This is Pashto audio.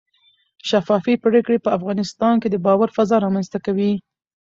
شفافې پرېکړې په افغانستان کې د باور فضا رامنځته کوي